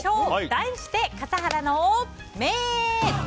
題して、笠原の眼。